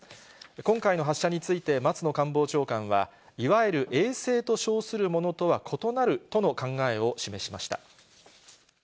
今回の発射について、松野官房長官は、いわゆる衛星と称するものとは異なるとの考えを示しました。